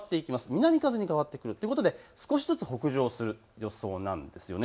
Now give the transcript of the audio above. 南風に変わってくるということで少しずつ北上する予想です。